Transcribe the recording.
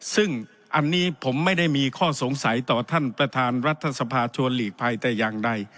ซึ่งอันนี้ผมไม่ได้มีข้อสงสัยต่อท่านประธานรัฐสภาชวนหลีกภัยแต่อย่างใด